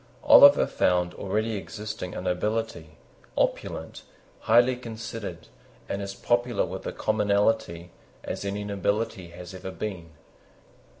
Oliver found already existing a nobility, opulent, highly considered, and as popular with the commonalty as any nobility has ever been.